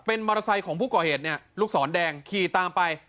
มอเตอร์ไซค์ของผู้ก่อเหตุเนี่ยลูกศรแดงขี่ตามไป